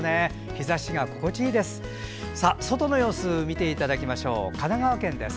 日ざしが心地いいです。